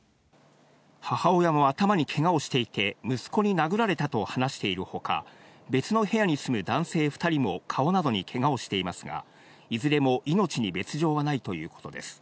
母親も頭にけがをしていて、息子に殴られたと話しているほか、別の部屋に住む男性２人も顔などにけがをしていますが、いずれも命に別状はないということです。